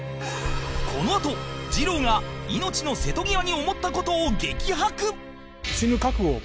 このあと二郎が命の瀬戸際に思った事を激白